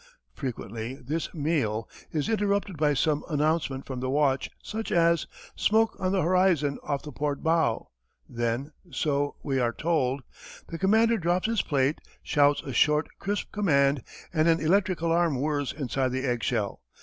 Frequently this "meal" is interrupted by some announcement from the watch, such as: "Smoke on the horizon off the port bow." Then so we are told: The commander drops his plate, shouts a short, crisp command, and an electric alarm whirs inside the egg shell.